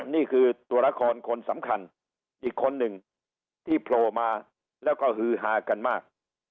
นี่คือตัวละครคนสำคัญอีกคนหนึ่งที่โผล่มาแล้วก็ฮือฮากันมาก